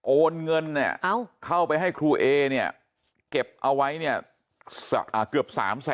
โอนเงินเข้าไปให้ครูเอเก็บเอาไว้เกือบ๓๐๐๐๐๐